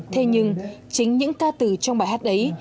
thế nhưng chính những ca từ trong bài hát ấy